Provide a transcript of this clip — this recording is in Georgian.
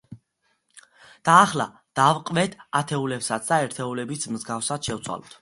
და ახლა დავყვეთ ათეულებსაც და ერთეულებიც მსგავსად შევცვალოთ.